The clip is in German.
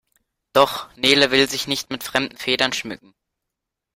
Doch Nele will sich nicht mit fremden Federn schmücken.